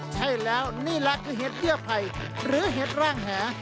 ใช่แล้วนี่แหละคือเห็ดเบี้ยไผ่หรือเห็ดร่างแห